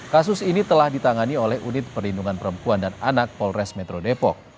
kasus ini telah ditangani oleh unit perlindungan perempuan dan anak polres metro depok